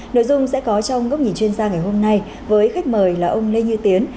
nội dung sẽ có trong góc nhìn chuyên gia ngày hôm nay với khách mời là ông lê như tiến